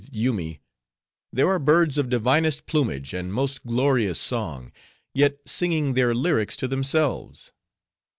Breathed Yoomy, "There are birds of divinest plumage, and most glorious song, yet singing their lyrics to themselves."